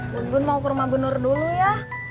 bun bun mau ke rumah bunur dulu ya